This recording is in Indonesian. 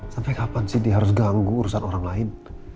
sampai kapan sih dia harus ganggu urusan orang lain